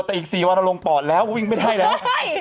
แต่อีก๔วันลงปอดแล้ววิ่งไม่ได้แล้ว